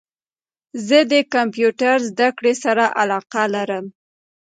زه د کمپیوټرد زده کړي سره علاقه لرم